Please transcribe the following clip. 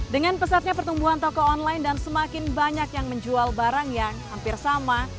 dengan pesatnya pertumbuhan toko online dan semakin banyak yang menjual barang yang hampir sama